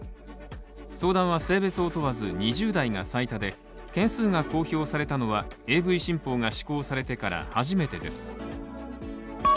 相談は性別を問わず２０代が最多で件数が公表されたのはＡＶ新法が施行されてから初めてです。